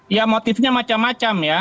ya motifnya macam macam ya